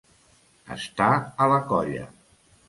Estar a la colla.